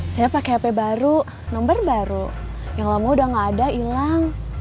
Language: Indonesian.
saya pakai hp baru nomor baru yang lama udah gak ada hilang